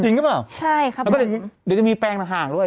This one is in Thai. จริงหรือเปล่าใช่ครับแล้วก็เดี๋ยวจะมีแปลงต่างห่างด้วย